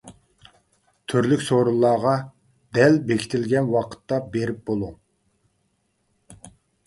تۈرلۈك سورۇنلارغا دەل بېكىتىلگەن ۋاقىتتا بېرىپ بولۇڭ.